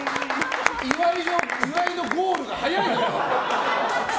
岩井のゴールが早いのよ。